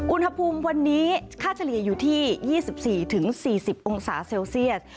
อุณหภูมิวันนี้ค่าเฉลี่ยอยู่ที่๒๔๔๐องศาเซลเซียส